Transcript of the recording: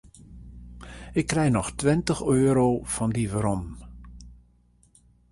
Ik krij noch tweintich euro fan dy werom.